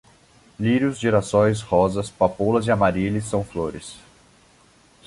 Lírios, girassóis, rosas, papoulas e Amarílis são flores